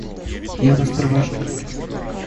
Я вас провожу.